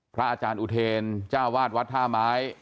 พระอาจารย์อุเทรจ้าวาดวัดท่าไม้